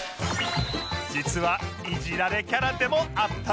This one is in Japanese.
実はいじられキャラでもあったんです